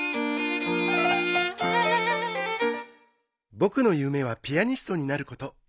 僕の夢はピアニストになること。